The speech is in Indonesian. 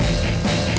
aku mau ngapain